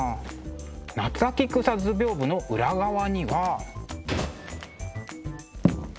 「夏秋草図屏風」の裏側には。